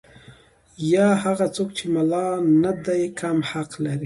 یا هغه څوک چې ملا نه دی کم حق لري.